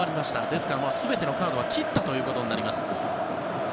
ですから、全てのカードを切ったということになります。